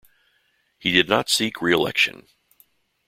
He did not seek reelection.